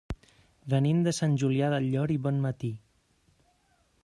Venim de Sant Julià del Llor i Bonmatí.